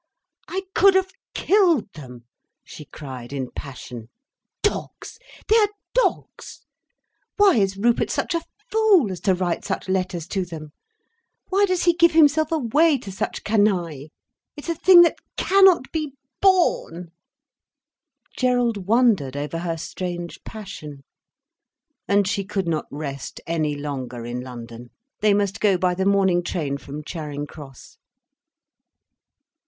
"I could have killed them!" she cried in passion. "Dogs!—they are dogs! Why is Rupert such a fool as to write such letters to them? Why does he give himself away to such canaille? It's a thing that cannot be borne." Gerald wondered over her strange passion. And she could not rest any longer in London. They must go by the morning train from Charing Cross.